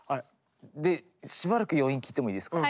でしばらく余韻聴いてもいいですか。